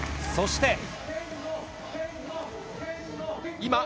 そして。